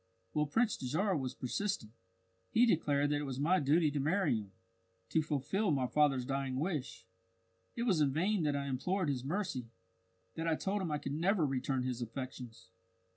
Well, Prince Dajarah was persistent; he declared that it was my duty to marry him, to fulfil my father's dying wish. It was in vain that I implored his mercy that I told him I could never return his affections.